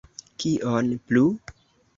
Kion plu?